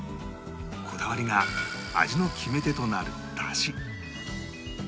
こだわりが味の決め手となる出汁